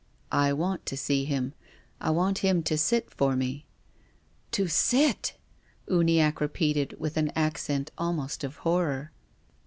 " I want to see him. I want him to sit for me." "To sit !" Uniacke repeated, with an accent almost of horror.